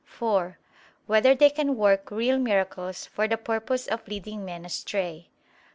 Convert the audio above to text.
(4) Whether they can work real miracles for the purpose of leading men astray?